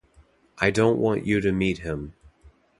I don't want you to meet him.